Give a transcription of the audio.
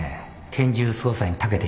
拳銃操作にたけていた